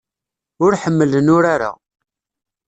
Ur ḥemmlen urar-a.